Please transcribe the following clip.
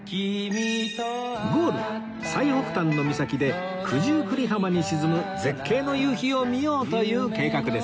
ゴールは最北端の岬で九十九里浜に沈む絶景の夕日を見よう！という計画です